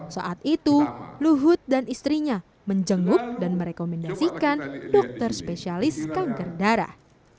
saat itu luhut dan istrinya menjenguk dan merekomendasikan dokter spesialis kanker darah